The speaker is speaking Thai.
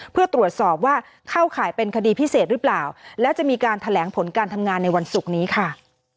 เพื่อตรวจสอบว่าเข้าข่ายเป็นคดีพิเศษหรือเปล่าและจะมีการแถลงผลการทำงานในวันศุกร์นี้ค่ะ